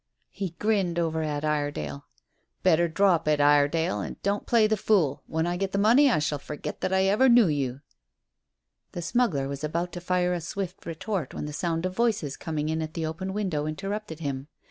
He grinned over at Iredale. "Better drop it, Iredale, and don't play the fool. When I get the money I shall forget that I ever knew you." The smuggler was about to fire a swift retort when the sound of voices coming in at the open window interrupted him.